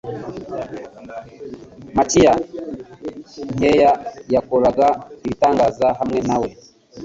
Makiya nkeya yakoraga ibitangaza hamwe na we.